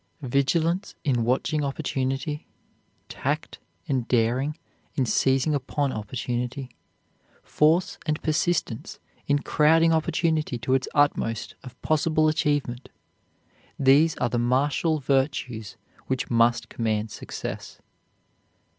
Vigilance in watching opportunity; tact and daring in seizing upon opportunity; force and persistence in crowding opportunity to its utmost of possible achievement these are the martial virtues which must command success.